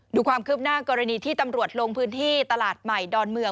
ดูความคืบหน้ากรณีที่ตำรวจลงพื้นที่ตลาดใหม่ดอนเมือง